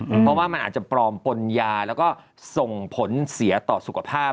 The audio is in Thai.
เพราะว่ามันอาจจะปลอมปนยาแล้วก็ส่งผลเสียต่อสุขภาพ